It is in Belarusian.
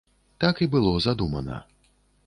Так і было задумана.